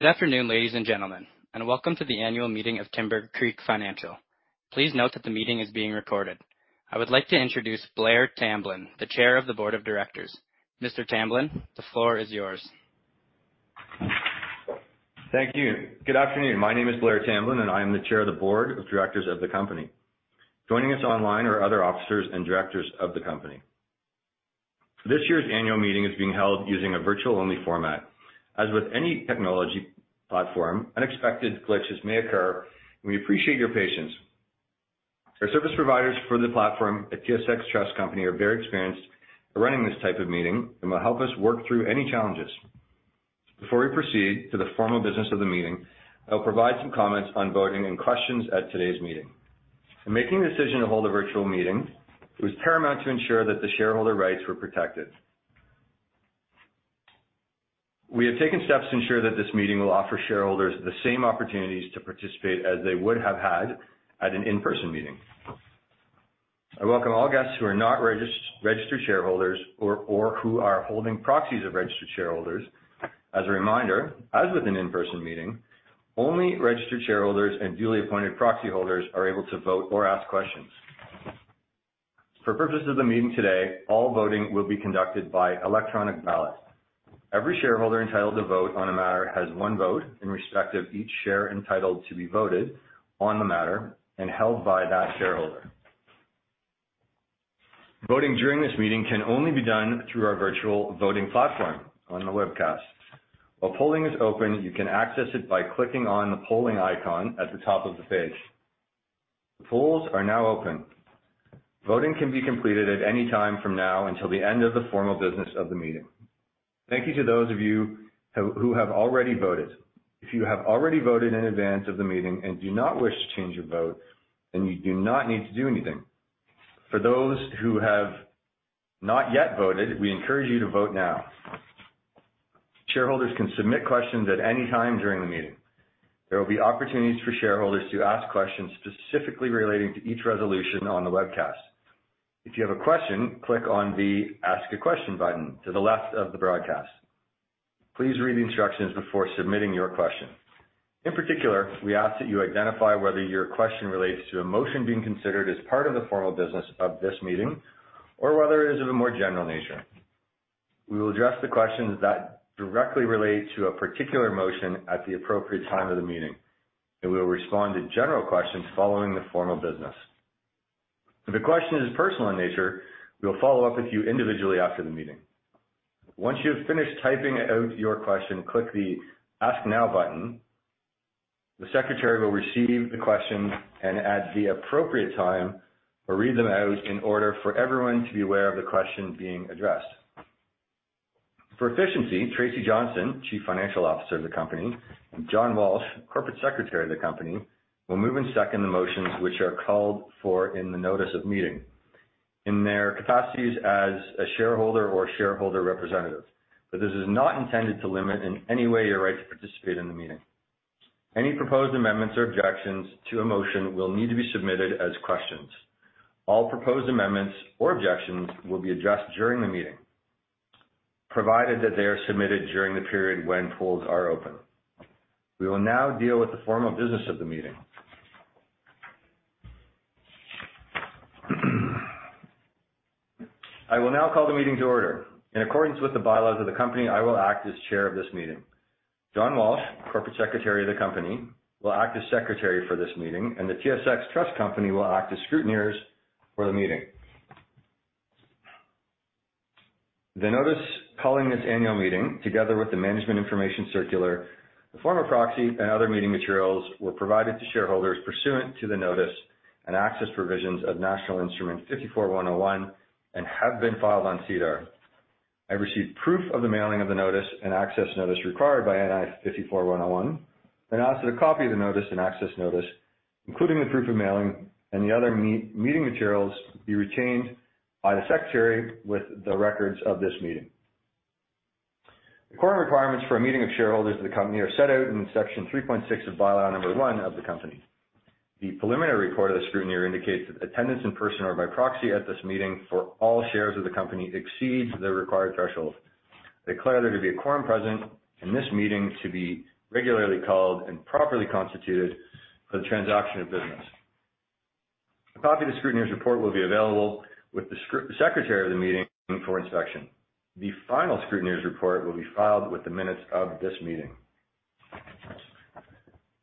Good afternoon, ladies and gentlemen, and welcome to the annual meeting of Timbercreek Financial. Please note that the meeting is being recorded. I would like to introduce Blair Tamblyn, the Chair of the Board of Directors. Mr. Tamblyn, the floor is yours. Thank you. Good afternoon. My name is Blair Tamblyn, and I am the Chair of the Board of Directors of the company. Joining us online are other officers and directors of the company. This year's annual meeting is being held using a virtual-only format. As with any technology platform, unexpected glitches may occur, and we appreciate your patience. Our service providers for the platform at TSX Trust Company are very experienced at running this type of meeting and will help us work through any challenges. Before we proceed to the formal business of the meeting, I'll provide some comments on voting and questions at today's meeting. In making the decision to hold a virtual meeting, it was paramount to ensure that the shareholder rights were protected. We have taken steps to ensure that this meeting will offer shareholders the same opportunities to participate as they would have had at an in-person meeting. I welcome all guests who are not registered shareholders or who are holding proxies of registered shareholders. As a reminder, as with an in-person meeting, only registered shareholders and duly appointed proxy holders are able to vote or ask questions. For purposes of the meeting today, all voting will be conducted by electronic ballot. Every shareholder entitled to vote on a matter has one vote in respect of each share entitled to be voted on the matter and held by that shareholder. Voting during this meeting can only be done through our virtual voting platform on the webcast. While polling is open, you can access it by clicking on the Polling icon at the top of the page. The polls are now open. Voting can be completed at any time from now until the end of the formal business of the meeting. Thank you to those of you who have already voted. If you have already voted in advance of the meeting and do not wish to change your vote, then you do not need to do anything. For those who have not yet voted, we encourage you to vote now. Shareholders can submit questions at any time during the meeting. There will be opportunities for shareholders to ask questions specifically relating to each resolution on the webcast. If you have a question, click on the Ask-A-Question button to the left of the broadcast. Please read the instructions before submitting your question. In particular, we ask that you identify whether your question relates to a motion being considered as part of the formal business of this meeting, or whether it is of a more general nature. We will address the questions that directly relate to a particular motion at the appropriate time of the meeting, and we will respond to general questions following the formal business. If the question is personal in nature, we will follow up with you individually after the meeting. Once you have finished typing out your question, click the Ask Now button. The secretary will receive the question and at the appropriate time, will read them out in order for everyone to be aware of the question being addressed. For efficiency, Tracy Johnston, Chief Financial Officer of the company, and John Walsh, Corporate Secretary of the company, will move and second the motions which are called for in the notice of meeting, in their capacities as a shareholder or shareholder representative. This is not intended to limit in any way, your right to participate in the meeting. Any proposed amendments or objections to a motion will need to be submitted as questions. All proposed amendments or objections will be addressed during the meeting, provided that they are submitted during the period when polls are open. We will now deal with the formal business of the meeting. I will now call the meeting to order. In accordance with the bylaws of the company, I will act as chair of this meeting. John Walsh, corporate secretary of the company, will act as secretary for this meeting. The TSX Trust Company will act as scrutineers for the meeting. The notice calling this annual meeting, together with the management information circular, the form of proxy, and other meeting materials, were provided to shareholders pursuant to the notice and access provisions of National Instrument 54-101 and have been filed on SEDAR. I received proof of the mailing of the notice and access notice required by NI 54-101 and asked that a copy of the notice and access notice, including the proof of mailing and the other meeting materials, be retained by the secretary with the records of this meeting. The quorum requirements for a meeting of shareholders of the company are set out in section 3.6 of by-law number 1 of the company. The preliminary report of the scrutineer indicates that attendance in person or by proxy at this meeting for all shares of the company exceeds the required threshold. I declare there to be a quorum present, and this meeting to be regularly called and properly constituted for the transaction of business. A copy of the scrutineer's report will be available with the secretary of the meeting for inspection. The final scrutineer's report will be filed with the minutes of this meeting.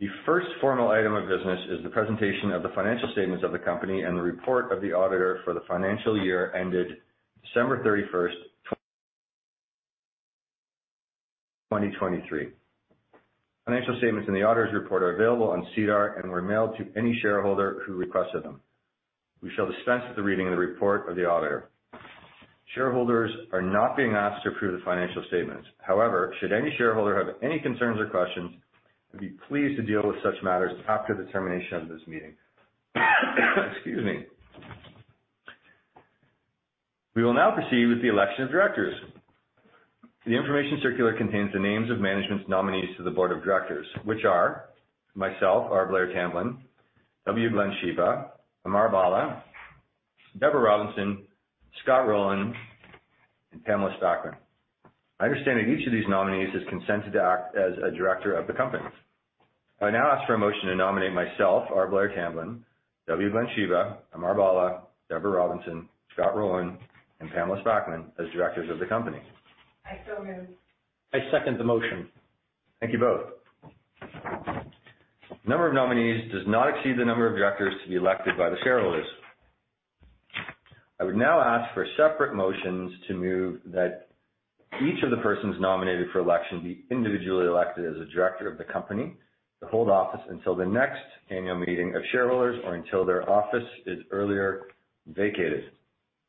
The first formal item of business is the presentation of the financial statements of the company and the report of the auditor for the financial year ended December 31st, 2023. Financial statements in the auditor's report are available on SEDAR and were mailed to any shareholder who requested them. We shall dispense with the reading of the report of the auditor. Shareholders are not being asked to approve the financial statements. However, should any shareholder have any concerns or questions, I'd be pleased to deal with such matters after the termination of this meeting. Excuse me. We will now proceed with the election of directors. The information circular contains the names of management's nominees to the board of directors, which are: myself R. Blair Tamblyn, W. Glenn Shyba, Amar Bhalla, Deborah Robinson, Scott Rowland, Pamela Spackman. I understand that each of these nominees has consented to act as a director of the company. I now ask for a motion to nominate myself, R. Blair Tamblyn, W. Glenn Shyba, Amar Bhalla, Deborah Robinson, Scott Rowland, and Pamela Spackman as directors of the company I so move. I second the motion. Thank you both. The number of nominees does not exceed the number of directors to be elected by the shareholders. I would now ask for separate motions to move that each of the persons nominated for election be individually elected as a director of the company, to hold office until the next annual meeting of shareholders, or until their office is earlier vacated.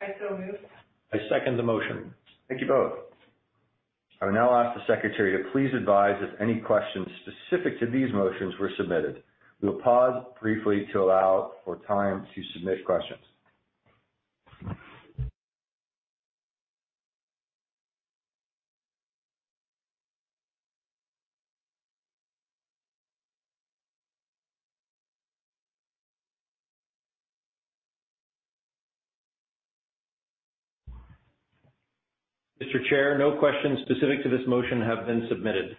I so move. I second the motion. Thank you both. I will now ask the secretary to please advise if any questions specific to these motions were submitted. We will pause briefly to allow for time to submit questions. Mr. Chair, no questions specific to this motion have been submitted.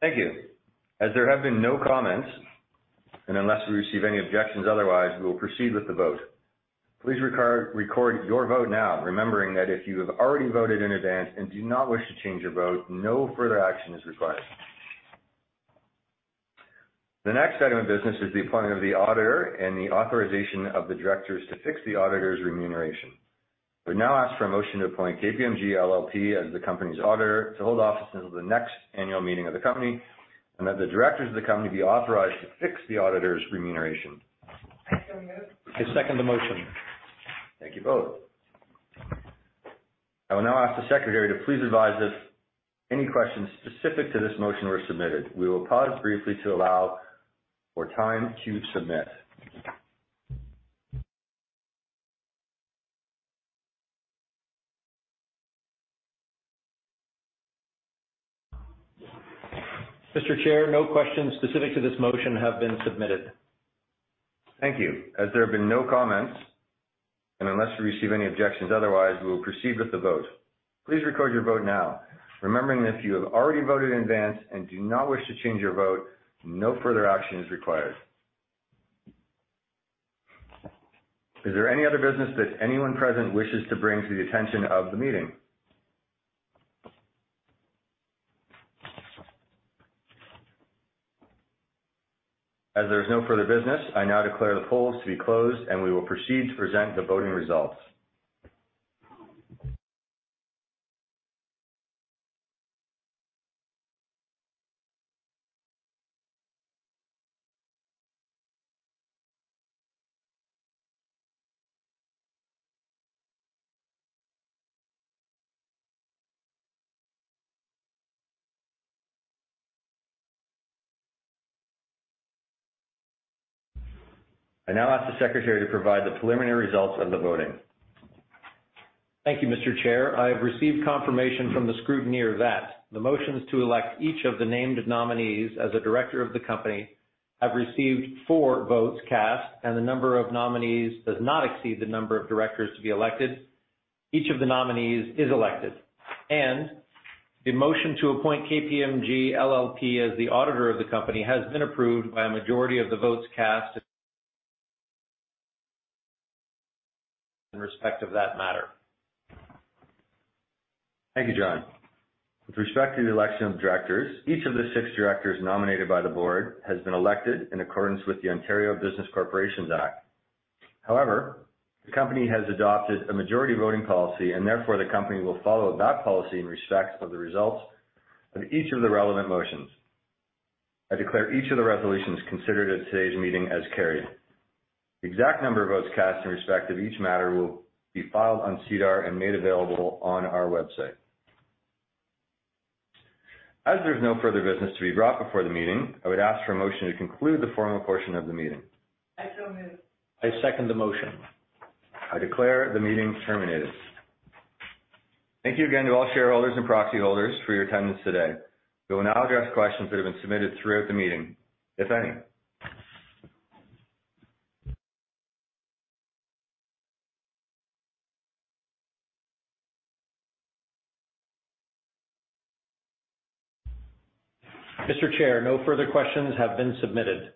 Thank you. As there have been no comments, unless we receive any objections otherwise, we will proceed with the vote. Please record your vote now, remembering that if you have already voted in advance and do not wish to change your vote, no further action is required. The next item of business is the appointment of the auditor and the authorization of the directors to fix the auditor's remuneration. I would now ask for a motion to appoint KPMG LLP as the company's auditor, to hold office until the next annual meeting of the company, that the directors of the company be authorized to fix the auditor's remuneration. I so move. I second the motion. Thank you both. I will now ask the secretary to please advise if any questions specific to this motion were submitted. We will pause briefly to allow for time to submit. Mr. Chair, no questions specific to this motion have been submitted. Thank you. Unless we receive any objections otherwise, we will proceed with the vote. Please record your vote now, remembering that if you have already voted in advance and do not wish to change your vote, no further action is required. Is there any other business that anyone present wishes to bring to the attention of the meeting? There is no further business, I now declare the polls to be closed, and we will proceed to present the voting results. I now ask the secretary to provide the preliminary results of the voting. Thank you, Mr. Chair. I have received confirmation from the scrutineer that the motions to elect each of the named nominees as a director of the company have received four votes cast. The number of nominees does not exceed the number of directors to be elected. Each of the nominees is elected. The motion to appoint KPMG LLP as the auditor of the company has been approved by a majority of the votes cast. In respect of that matter. Thank you, John. With respect to the election of directors, each of the six directors nominated by the board has been elected in accordance with the Ontario Business Corporations Act. However, the company has adopted a majority voting policy and therefore, the company will follow that policy in respect of the results of each of the relevant motions. I declare each of the resolutions considered at today's meeting as carried. The exact number of votes cast in respect of each matter will be filed on SEDAR and made available on our website. As there's no further business to be brought before the meeting, I would ask for a motion to conclude the formal portion of the meeting. I so move. I second the motion. I declare the meeting terminated. Thank you again to all shareholders and proxy holders for your attendance today. We will now address questions that have been submitted throughout the meeting, if any. Mr. Chair, no further questions have been submitted.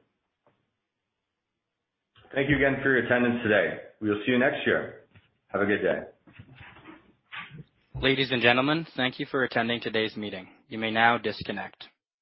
Thank you again for your attendance today. We will see you next year. Have a good day. Ladies and gentlemen, thank you for attending today's meeting. You may now disconnect.